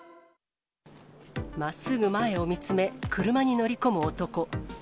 まっすぐ前を見つめ、車に乗り込む男。